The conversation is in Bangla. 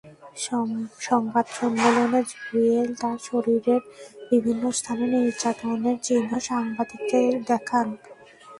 সংবাদ সম্মেলনে জুয়েল তাঁর শরীরের বিভিন্ন স্থানে নির্যাতনের চিহ্ন সাংবাদিকদের দেখান।